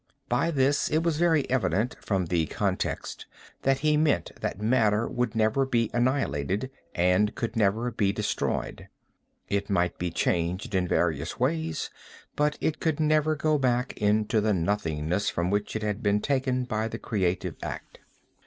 By this it was very evident from the context that he meant that matter would never be annihilated and could never be destroyed. It might be changed in various ways but it could never go back into the nothingness from which it had been taken by the creative act.